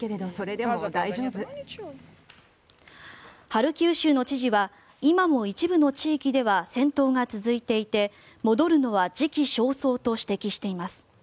ハルキウ州の知事は今も一部の地域では戦闘が続いていて戻るのは時期尚早と指摘しています。